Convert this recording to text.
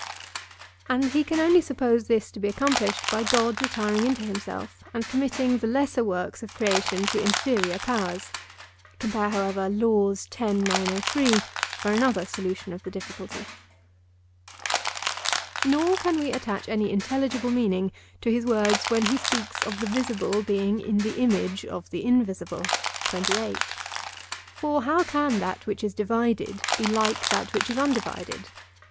And he can only suppose this to be accomplished by God retiring into himself and committing the lesser works of creation to inferior powers. (Compare, however, Laws for another solution of the difficulty.) Nor can we attach any intelligible meaning to his words when he speaks of the visible being in the image of the invisible. For how can that which is divided be like that which is undivided?